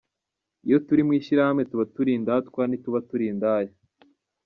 Iyo turi mu ishyirahamwe tuba turi indatwa ntituba turi indaya.